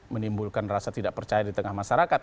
menimbulkan rasa tidak percaya di tengah masyarakat